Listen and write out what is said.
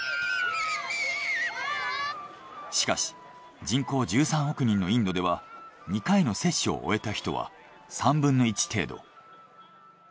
しかし人口１３億人のインドでは２回の接種を終えた人は３分の１程度。